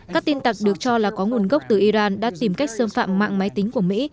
các tin tặc được cho là có nguồn gốc từ iran đã tìm cách xâm phạm mạng máy tính của mỹ